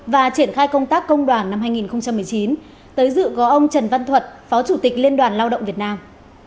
và triển khai công tác công đoàn năm hai nghìn một mươi chín tới dự có ông trần văn thuật phó chủ tịch liên đoàn lao động việt nam